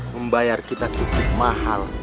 membayar kita cukup mahal